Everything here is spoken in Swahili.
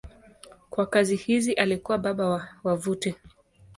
Kwa kazi hizi alikuwa baba wa wavuti.